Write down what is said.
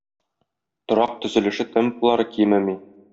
Торак төзелеше темплары кимеми.